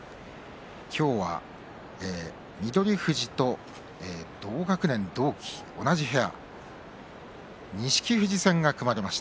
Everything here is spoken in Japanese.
今日は翠富士と同学年、同期、同じ部屋錦富士戦が組まれました。